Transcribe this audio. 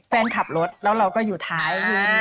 แฟนขับรถแล้วเราก็อยู่ท้าย